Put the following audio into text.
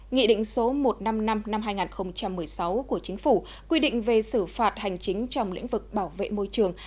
nghị định số một trăm năm mươi năm năm hai nghìn một mươi sáu của chính phủ quy định về xử phạt hành chính trong lĩnh vực bảo vệ môi trường